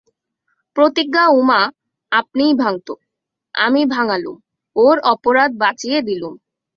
প্রতিজ্ঞা উমা আপনিই ভাঙত, আমি ভাঙালুম, ওর অপরাধ বাঁচিয়ে দিলুম।